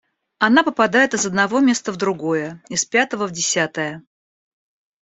Она попадает из одного места в другое, из пятого в десятое